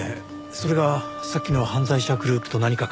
それがさっきの犯罪者グループと何か関係が？